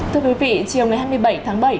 thưa quý vị chiều ngày hai mươi bảy tháng bảy